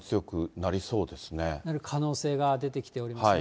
なる可能性が出てきておりますね。